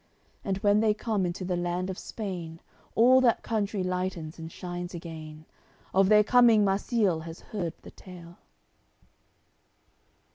And when they come into the land of Spain All that country lightens and shines again: Of their coming Marsile has heard the tale.